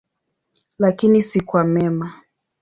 Lakini si kwa mema.